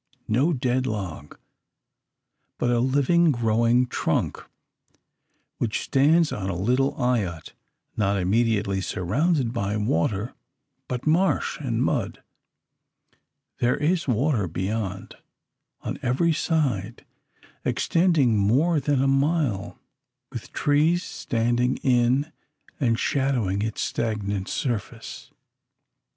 No dead log, but a living growing trunk, which stands on a little eyot, not immediately surrounded by water, but marsh and mud. There is water beyond, on every side, extending more than a mile, with trees standing in and shadowing its stagnant surface.